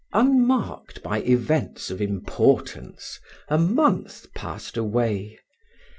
Unmarked by events of importance, a month passed away.